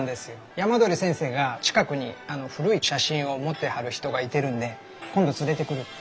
山鳥先生が近くに古い写真を持ってはる人がいてるんで今度連れてくるって。